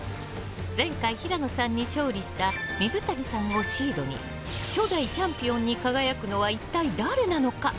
前回、平野さんに勝利した水谷さんをシードに初代チャンピオンに輝くのは一体誰なのか？